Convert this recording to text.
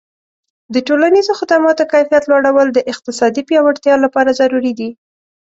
د ټولنیزو خدماتو کیفیت لوړول د اقتصادي پیاوړتیا لپاره ضروري دي.